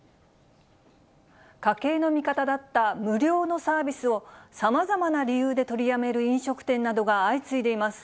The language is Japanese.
家計の味方だった無料のサービスを、さまざまな理由で取りやめる飲食店などが相次いでいます。